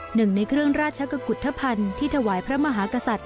หนึ่งในเครื่องราชกุฏธภัณฑ์ที่ถวายพระมหากษัตริย